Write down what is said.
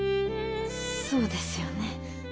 そうですよね。